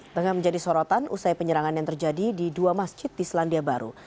tengah menjadi sorotan usai penyerangan yang terjadi di dua masjid di selandia baru